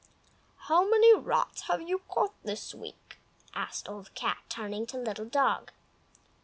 "How many rats have you caught this week?" asked Old Cat, turning to Little Dog.